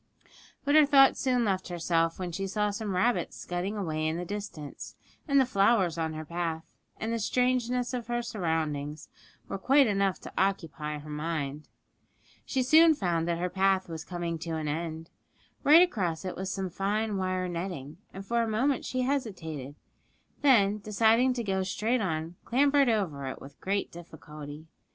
But her thoughts soon left herself when she saw some rabbits scudding away in the distance; and the flowers on her path, and the strangeness of her surroundings, were quite enough to occupy her mind. She soon found that her path was coming to an end; right across it was some fine wire netting, and for a moment she hesitated, then, deciding to go straight on, clambered over it with great difficulty.